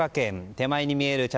手前に見える茶